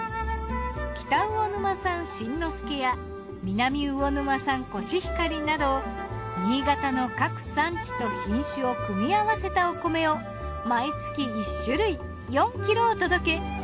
北魚沼産新之助や南魚沼産こしひかりなど新潟の各産地と品種を組み合わせたお米を毎月１種類４ｋｇお届け。